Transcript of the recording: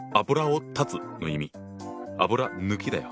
油抜きだよ。